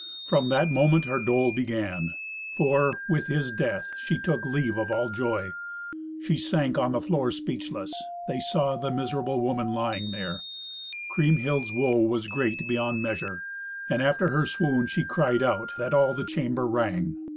From that moment her dole began; for, with his death, she took leave of all joy. She sank on the floor speechless; they saw the miserable woman lying there. Kriemhild's woe was great beyond measure, and after her swoon she cried out, that all the chamber rang.